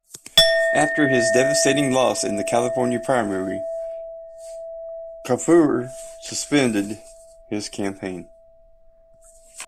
After his devastating loss in the California primary, Kefauver suspended his campaign.